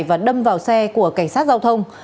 và đâm vào xe của cảnh sát giao thông